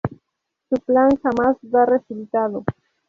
Su plan jamás da resultado.